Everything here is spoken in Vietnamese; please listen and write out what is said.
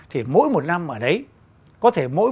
thì mỗi một năm ở đấy có thể mỗi